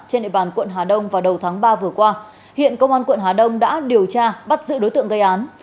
trên địa bàn quận hà đông vào đầu tháng ba vừa qua hiện công an quận hà đông đã điều tra bắt giữ đối tượng gây án